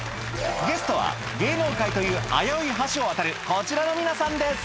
ゲストは芸能界という危うい橋を渡るこちらの皆さんです